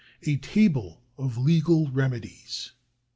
A Table of Lesa.1 Remedies.